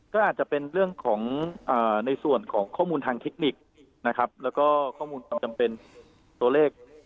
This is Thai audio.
ก็อาจจะเป็นเรื่องของในส่วนของข้อมูลทางเทคนิคนะครับแล้วก็ข้อมูลความจำเป็นตัวเลข